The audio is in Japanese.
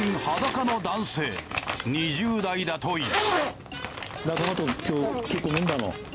２０代だという。